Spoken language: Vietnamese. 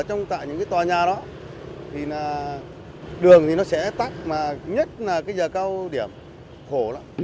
trong những tòa nhà đó đường thì nó sẽ tắt nhất là cái giờ cao điểm khổ lắm